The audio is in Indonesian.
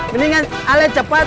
mendingan alet cepat